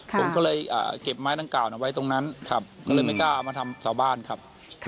ผมก็เลยเก็บไม้ตะเก่าไว้ตรงนั้นครับไม่กล้าเอามาทำสาวบ้านครับ